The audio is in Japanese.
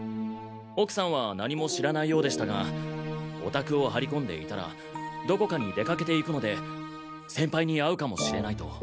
奥さんは何も知らないようでしたがお宅を張り込んでいたらどこかに出かけていくので先輩に会うかもしれないと。